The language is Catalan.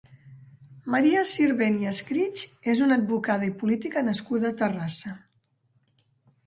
Maria Sirvent i Escrig és una advocada i política nascuda a Terrassa.